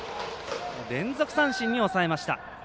連続三振に抑えました。